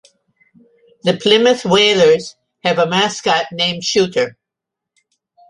The Plymouth Whalers have a mascot named Shooter.